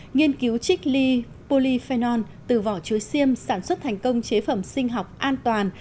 nghiên cứu chích ly polyphenol từ vỏ chuối xiêm sản xuất thành công chế phẩm sinh học an toàn